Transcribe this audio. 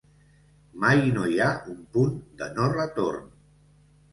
Mai no hi ha un punt de no-retorn.